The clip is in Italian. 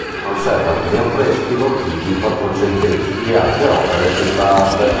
Conserva alcuni affreschi votivi quattrocenteschi e altre opere più tarde.